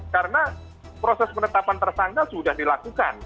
karena proses penetapan tersangka sudah dilakukan